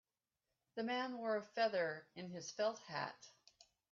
The man wore a feather in his felt hat.